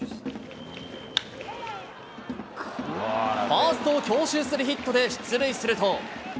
ファーストを強襲するヒットで出塁すると。